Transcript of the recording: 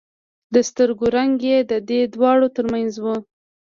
د سترګو رنگ يې د دې دواړو تر منځ و.